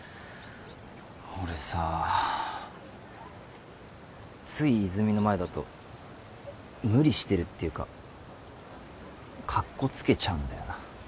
俺さつい泉の前だと無理してるっていうかカッコつけちゃうんだよな